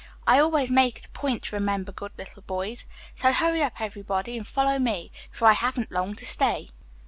I always make it a point to remember good little boys. So hurry up, everybody, and follow me, for I haven't long to stay."